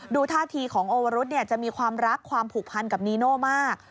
ท่าทีของโอวรุธจะมีความรักความผูกพันกับนีโน่มาก